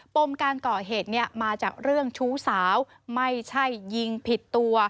ปมการก่อเหตุเนี่ยมาจากเรื่องชู้สาวไม่ใช่ยิงผิดตัว